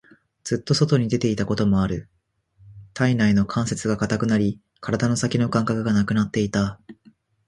ずっと外に出ていたこともある。体中の関節が堅くなり、体の先の感覚がなくなっていた。